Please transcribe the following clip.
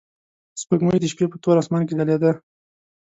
سپوږمۍ د شپې په تور اسمان کې ځلېده.